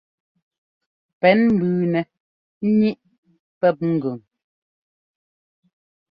Pɛ́n mbʉʉnɛ ŋíʼ pɛ́p ŋgʉn.